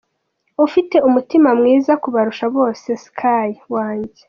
Ufite umutima mwiza kubarusha bose Sky wanjye.